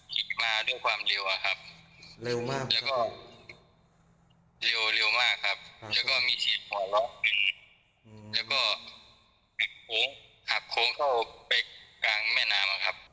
ขี่มาด้วยความเร็วอะครับ